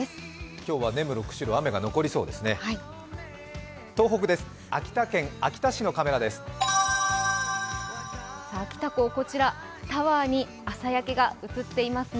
今日は根室、釧路雨が残りそうですね。